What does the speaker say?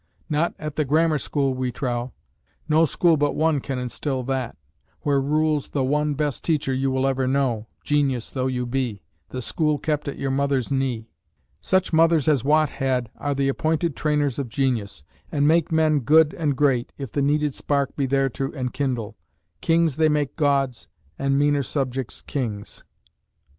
Not at the grammar school we trow. No school but one can instil that, where rules the one best teacher you will ever know, genius though you be the school kept at your mother's knee. Such mothers as Watt had are the appointed trainers of genius, and make men good and great, if the needed spark be there to enkindle: "Kings they make gods, and meaner subjects kings."